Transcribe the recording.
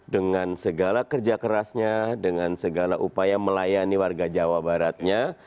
dengan segala kerja kerasnya dengan segala upaya melayani warga jawa baratnya